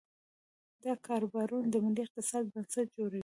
دا کاروبارونه د ملي اقتصاد بنسټ جوړوي.